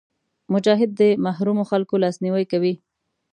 مجاهد د محرومو خلکو لاسنیوی کوي.